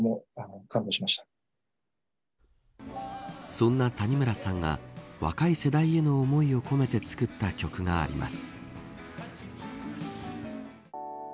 そんな谷村さんが若い世代への思いを込めて作った曲があります。